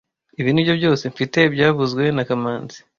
Ibi nibyo byose mfite byavuzwe na kamanzi